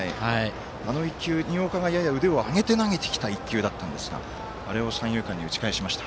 あの１球、新岡がやや腕を上げて投げてきた１球だったんですが、三遊間に打ち返しました。